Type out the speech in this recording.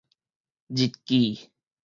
日記